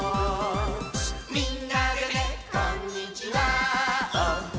「みんなでねこんにちわお！」